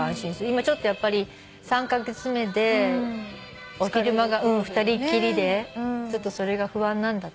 今やっぱり３カ月目でお昼間が二人っきりでそれが不安なんだって。